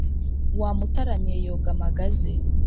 Wamutaramiye yoga magazi